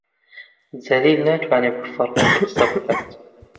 جەلیل ناتوانێت بە فەڕەنسی قسە بکات.